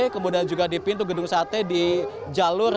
kemudian juga di pintu gedung sate di jalan jalan